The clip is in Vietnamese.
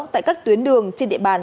tại các tuyến đường trên địa bàn